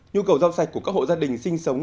nhu cầu rau sạch của các hộ gia đình sinh sống